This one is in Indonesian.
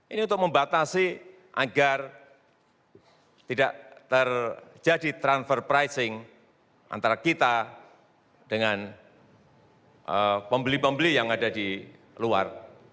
ini untuk membatasi agar tidak terjadi transfer pricing antara kita dengan pembeli pembeli yang ada di luar